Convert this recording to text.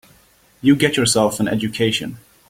You get yourself an education.